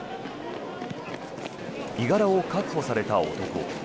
身柄を確保された男。